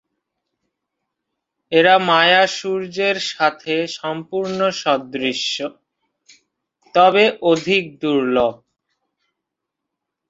এরা মায়া সূর্যের সাথে সম্পূর্ণ সদৃশ, তবে অধিক দুর্লভ।